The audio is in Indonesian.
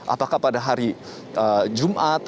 apakah pada hari jumat